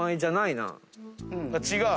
違う？